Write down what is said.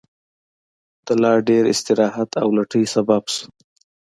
د لا ډېر استراحت او لټۍ سبب شو.